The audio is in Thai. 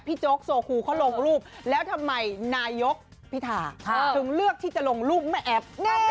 โจ๊กโซคูเขาลงรูปแล้วทำไมนายกพิธาถึงเลือกที่จะลงรูปแม่แอ๊บ